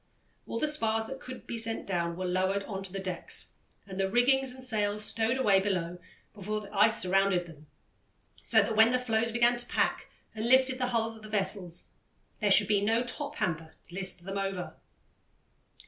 All the spars that could be sent down were lowered on to the decks, and the rigging and sails stowed away below before the ice surrounded them, so that when the floes began to pack and lifted the hulls of the vessels, there should be no "top hamper" to list them over.